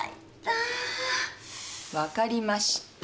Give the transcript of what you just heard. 分かりました。